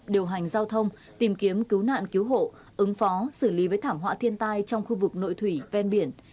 điều hành giao thông tìm kiếm cứu nạn cứu hộ ứng phó xử lý với thảm họa thiên tai trong khu vực nội thủy ven biển